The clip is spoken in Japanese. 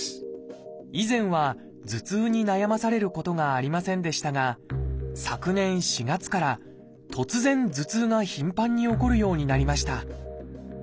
以前は頭痛に悩まされることがありませんでしたが昨年４月から突然頭痛が頻繁に起こるようになりました。